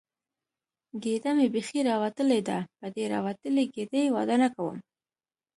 ګېډه مې بیخي راوتلې ده، په دې راوتلې ګېډې واده نه کوم.